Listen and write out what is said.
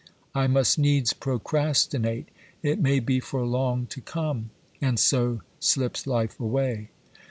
I must needs procrastinate, it may be for long to come ; and so slips life away.